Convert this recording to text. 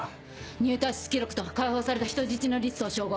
入退出記録と解放された人質のリストを照合。